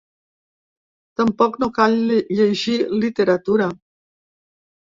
Tampoc no cal llegir literatura.